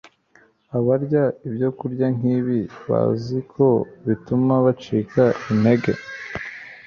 Abarya ibyokurya nkibi bazi ko bituma bacika intege